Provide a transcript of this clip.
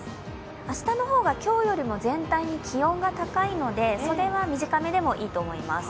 明日の方が今日よりも全体的に気温が高いので、袖は短めでもいいと思います。